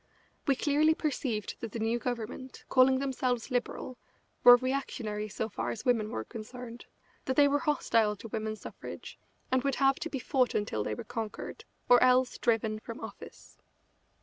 We clearly perceived that the new Government, calling themselves Liberal, were reactionary so far as women were concerned, that they were hostile to women's suffrage, and would have to be fought until they were conquered, or else driven from office.